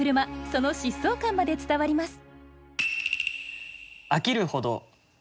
その疾走感まで伝わります。